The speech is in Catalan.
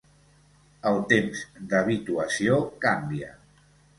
El temps d'habituació canvia.